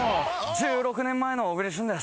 １６年前の小栗旬です。